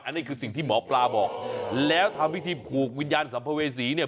อันนี้คือสิ่งที่หมอปลาบอกแล้วทำวิธีผูกวิญญาณสัมภเวษีเนี่ย